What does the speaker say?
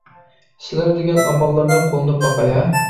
سىلەر دېگەن ئاماللارنى قوللىنىپ باقاي ھە.